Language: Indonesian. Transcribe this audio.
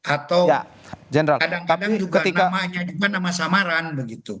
atau kadang kadang juga namanya juga nama samaran begitu